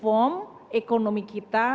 agar ketergantungan terhadap ekonomi kita